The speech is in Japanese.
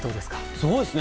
すごいですね。